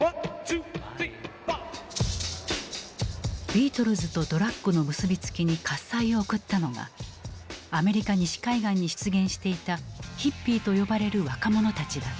ビートルズとドラッグの結び付きに喝采を送ったのがアメリカ西海岸に出現していた「ヒッピー」と呼ばれる若者たちだった。